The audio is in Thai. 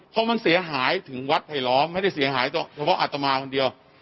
เพราะมันเสียหายถึงวัดไผลล้อมไม่ได้เสียหายเฉพาะอัตมาคนเดียว